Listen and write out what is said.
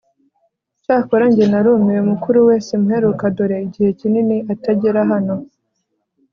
cyakora njye narumiwe, mukuru we simuheruka dore igihe kinini atagera hano